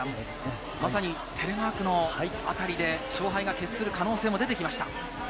まさにテレマークのあたりで勝敗が決する可能性も出てきました。